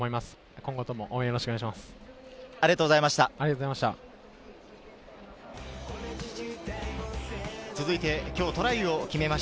今後とも応援よろしくお願いします。